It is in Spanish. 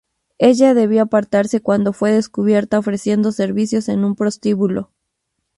Ella debió apartarse cuando fue descubierta ofreciendo servicios en un prostíbulo.